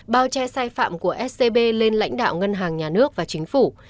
bao che sai phạm của scb lên lãnh đạo ngân hàng nhà nước và chính phủ